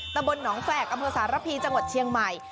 ตำบลหนองแฝกอำเภอสารพีจังหวัดเชียงใหม่